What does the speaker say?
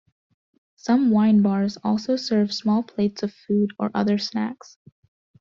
Some wine bars also serve small plates of food or other snacks.